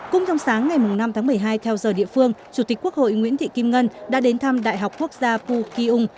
cũng trong sáng ngày năm tháng một mươi hai theo giờ địa phương chủ tịch quốc hội nguyễn thị kim ngân đã đến thăm đại học quốc gia pukyung